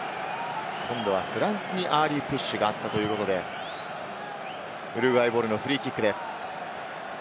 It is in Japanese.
今度はフランスにアーリープッシュがあったということで、ウルグアイボールのフリーキックです。